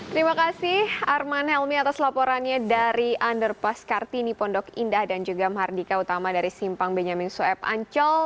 terima kasih arman helmi atas laporannya dari underpass kartini pondok indah dan juga mahardika utama dari simpang benyamin soeb ancol